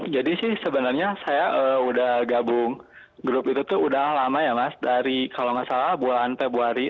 jadi sih sebenarnya saya sudah gabung grup itu sudah lama ya mas dari kalau tidak salah bulan februari